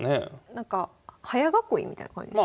なんか早囲いみたいな感じですか？